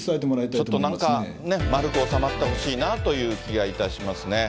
ちょっとなんかね、丸く収まってほしいなという気がいたしますね。